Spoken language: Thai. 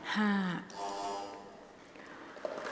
หมายเลข๖๘